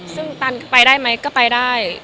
ซึ่งตันไปได้ไหมก็ไปได้